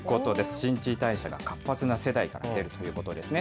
新陳代謝が活発な世代から出るということですね。